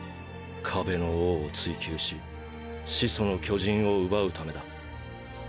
壁の王を追及し始祖の巨人を奪うためだ。